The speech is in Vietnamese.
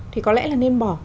thì có lẽ là nên bỏ